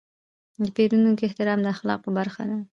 د پیرودونکو احترام د اخلاقو برخه ده.